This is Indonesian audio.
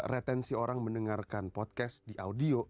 retensi orang mendengarkan podcast di audio